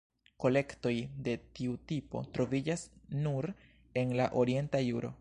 Kolektoj de tiu tipo troviĝas nur en la orienta juro.